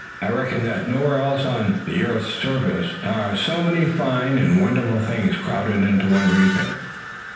I reckon that nowhere else on the earth's surface are so many fine and wonderful things crowded into one region."